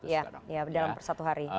dalam satu hari